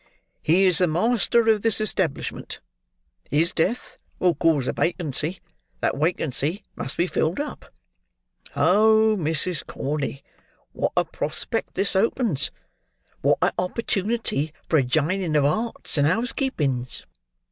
"He is the master of this establishment; his death will cause a wacancy; that wacancy must be filled up. Oh, Mrs. Corney, what a prospect this opens! What a opportunity for a jining of hearts and housekeepings!"